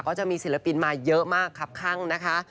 จะมีศิลปินมาเยอะมากครับข้างนะคะ